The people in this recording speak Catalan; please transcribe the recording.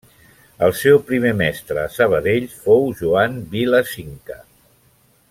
El seu primer mestre a Sabadell fou Joan Vila Cinca.